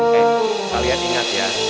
hei kalian ingat ya